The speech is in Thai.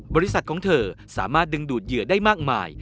บริษัทของเธอสามารถดึงดูดเหยื่อได้มากมาย